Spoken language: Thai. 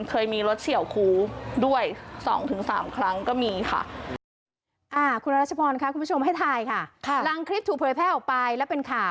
เคยมีรถเฉียวคูด้วย๒๓ครั้งก็มีค่ะ